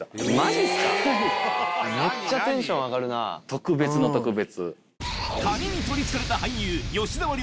特別の特別。